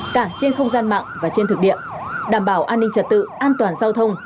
cả trên không gian mạng và trên thực địa đảm bảo an ninh trật tự an toàn giao thông